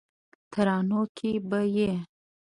ترانو کې به یې